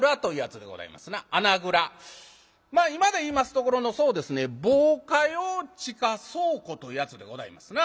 今で言いますところのそうですね防火用地下倉庫というやつでございますな。